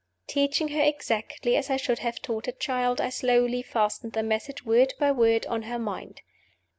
Teaching her exactly as I should have taught a child, I slowly fastened the message, word by word, on her mind.